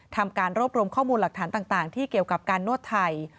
ทำการรวบรวมข้อมูลหลักฐานต่างที่เกี่ยวกับการนวดไทย